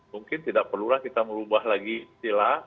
mungkin tidak perlulah kita merubah lagi sila